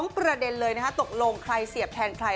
ประเด็นเลยนะคะตกลงใครเสียบแทนใคร